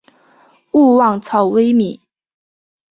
勿忘草微米。